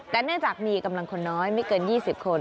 แต่เนื่องจากมีกำลังคนน้อยไม่เกิน๒๐คน